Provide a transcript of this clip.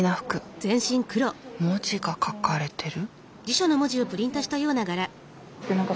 文字が書かれてる？